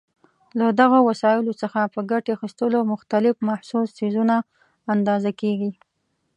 له دغو وسایلو څخه په ګټې اخیستلو مختلف محسوس څیزونه اندازه کېږي.